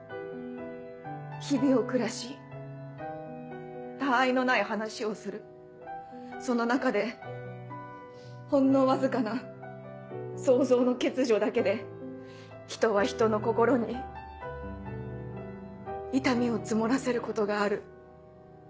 日々を暮らしたわいのない話をするその中でほんのわずかな想像の欠如だけで人は人の心に痛みを積もらせることがある。